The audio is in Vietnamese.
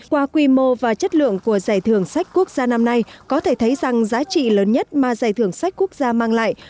qua quy mô và chất lượng của giải thưởng sách quốc gia năm nay có thể thấy rằng giá trị lớn nhất mà giải thưởng sách quốc gia mang lại